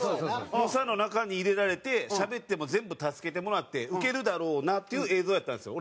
猛者の中に入れられてしゃべっても全部助けてもらってウケるだろうなっていう映像やったんですよ